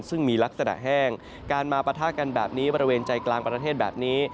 ซึ่งมีลักษณะแห้งการมาปะทะกันแบบนี้บริเวณใจกลางประเทศแบบนี้